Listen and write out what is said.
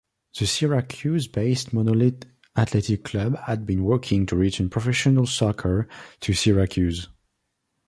The Syracuse-based Monolith Athletic Club had been working to return professional soccer to Syracuse.